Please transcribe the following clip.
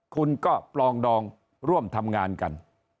คุณก็ปลองดองร่วมทำงานกัน